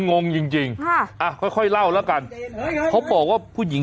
งงจริงจริงค่ะอ่ะค่อยค่อยเล่าแล้วกันเขาบอกว่าผู้หญิง